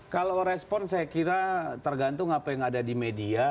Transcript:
kalau respon saya kira tergantung apa yang ada di media